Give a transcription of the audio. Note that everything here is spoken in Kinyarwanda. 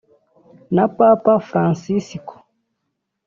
na Papa Faransisiko